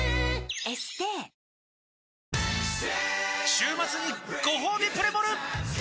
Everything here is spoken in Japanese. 週末にごほうびプレモル！